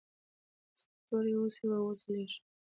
ستوري اوسئ او وځلیږئ.